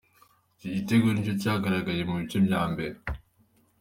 Iki gitego nicyo cyagaragaye mu gice cya mbere.